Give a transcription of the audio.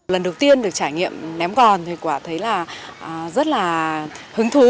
lần đầu tiên được trải nghiệm ném còn thì quả thấy là rất là hứng thú